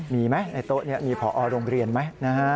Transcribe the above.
มีไหมในโต๊ะนี้มีผอโรงเรียนไหมนะฮะ